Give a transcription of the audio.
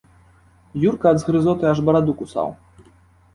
Юрка ад згрызоты аж бараду кусаў.